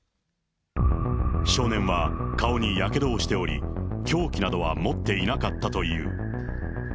少年は顔にやけどをしており、凶器などは持っていなかったという。